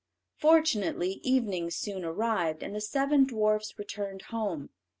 Fortunately evening soon arrived, and the seven dwarfs returned home.